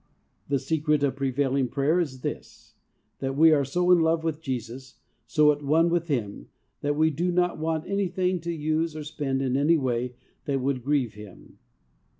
The secret of prevailing prayer is this ; that w'e are so in love with Jesus, so at one with Him, that we do not want anything to use or spend in any way that would grieve Him.